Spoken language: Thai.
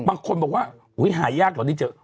บางคนบอกว่าหาญ่ากละนี่ไงเจ็ด